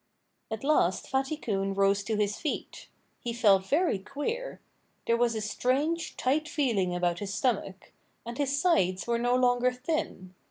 At last Fatty Coon rose to his feet. He felt very queer. There was a strange, tight feeling about his stomach. And his sides were no longer thin.